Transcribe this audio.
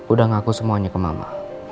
udah ngaku semuanya ke mama